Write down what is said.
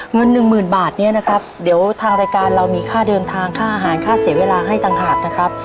หนึ่งหมื่นบาทเนี่ยนะครับเดี๋ยวทางรายการเรามีค่าเดินทางค่าอาหารค่าเสียเวลาให้ต่างหากนะครับ